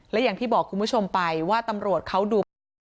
และอย่างที่บอกคุณผู้ชมไปว่าตำรวจเขาดูภาพ